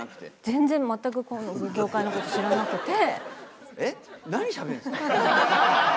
全然全く業界のこと知らなくて。